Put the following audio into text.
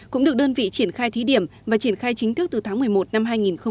cũng được đơn vị triển khai thí điểm và triển khai chính thức từ tháng một mươi một năm hai nghìn một mươi chín